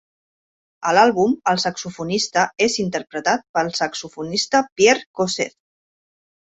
A l'àlbum, el saxofonista és interpretat pel saxofonista Pierre Gossez.